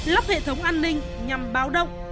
lắp hệ thống an ninh nhằm báo động